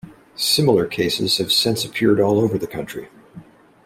Similar cases have since appeared all over the country.